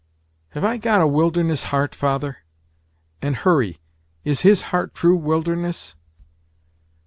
"Have I got a wilderness heart, father and Hurry, is his heart true wilderness?"